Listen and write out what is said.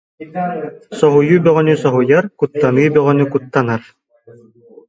Соһуйуу бөҕөнү соһуйар, куттаныы бөҕөнү куттанар